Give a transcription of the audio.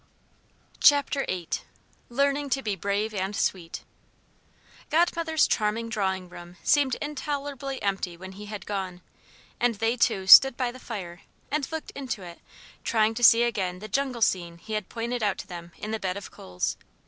VIII LEARNING TO BE BRAVE AND SWEET Godmother's charming drawing room seemed intolerably empty when he had gone and they two stood by the fire and looked into it trying to see again the jungle scene he had pointed out to them in the bed of coals.